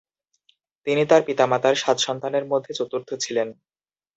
তিনি তার পিতা মাতার সাত সন্তানের মধ্যে চতুর্থ ছিলেন।